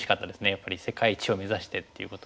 やっぱり世界一を目指してっていうことで。